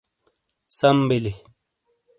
سم بلی۔